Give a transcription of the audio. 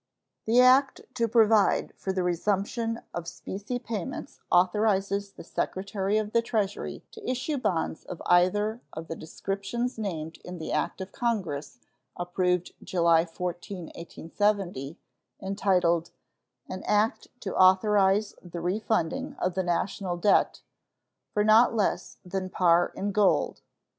The act to provide for the resumption of specie payments authorizes the Secretary of the Treasury to issue bonds of either of the descriptions named in the act of Congress approved July 14, 1870, entitled "An act to authorize the refunding of the national debt," for not less than par in gold.